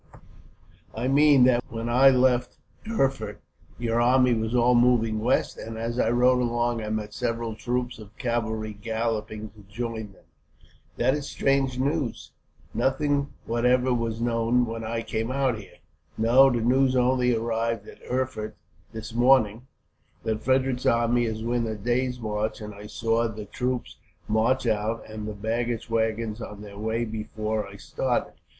"I mean that when I left Erfurt your army was all moving west, and as I rode along I met several troops of cavalry, galloping to join them." "That is strange news. Nothing whatever was known, when I came out here." "No, the news only arrived at Erfurt, this morning, that Frederick's army is within a day's march; and I saw the troops march out, and the baggage waggons on their way before I started.